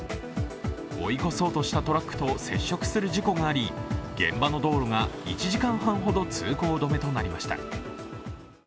追い越そうとしたトラックと接触する事故があり現場の道路が１時間半ほど通行止めとなりました。